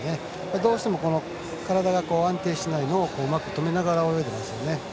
どうしても体が安定しないのをうまく止めながら泳いでいますよね。